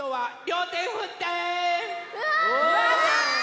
うわ！